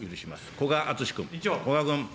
古賀君。